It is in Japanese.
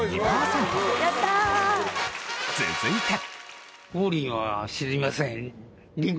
続いて。